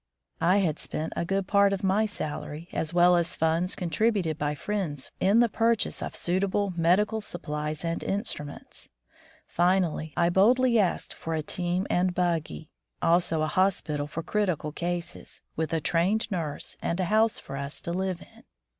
I had spent a good part of my salary, as well as funds contributed by friends for the purpose, in the purchase of suitable medical suppUes and instruments. Finally, I boldly asked for a team and buggy, also a hospital for critical cases, with a trained nurse, and a house for us to live in.